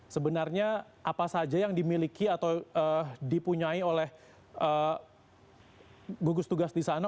sebenarnya apa saja yang dimiliki atau dipunyai oleh gugus tugas di sana